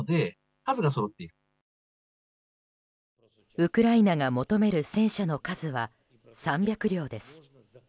ウクライナが求める戦車の数は３００両です。